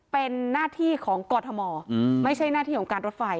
เป็นหน้าที่ของกรทมไม่ใช่หน้าที่ของการรถไฟ